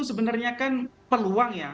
sebenarnya kan peluang ya